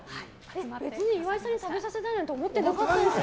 別に岩井さんに食べさせたいなんて思ってなかったですよね？